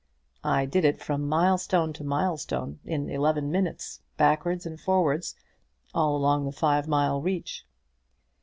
"I did it from milestone to milestone in eleven minutes, backwards and forwards, all along the five mile reach."